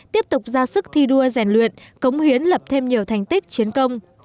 tiếp tục ra sức thi đua rèn luyện cống hiến lập thêm nhiều thành tích chiến công